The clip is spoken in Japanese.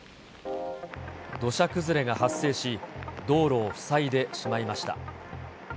土砂崩れが発生し、道路を塞いでしまいました。